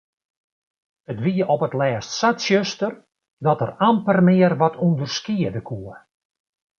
It wie op 't lêst sa tsjuster dat er amper mear wat ûnderskiede koe.